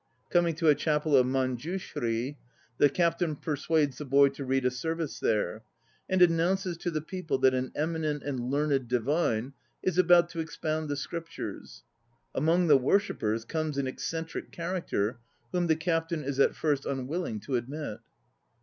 Coming to a chapel of Manjushri, the captain persuades the lad to read a service there, and announces to the people that an eminent and learned divine is about to expound the scriptures. Among the worshippers comes an eccentric character whom the captain is at first unwilling to admit.